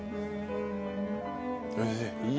おいしい？